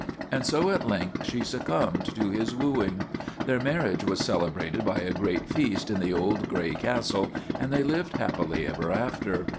And so at length she succumbed to his wooing. Their marriage was celebrated by a great feast in the old gray castle, and they lived happily ever after.